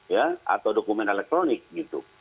ya atau dokumen elektronik gitu